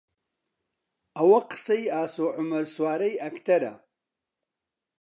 ئەوە قسەی ئاسۆ عومەر سوارەی ئەکتەرە